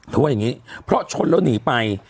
ว่าอย่างนี้เพราะชนแล้วหนีไป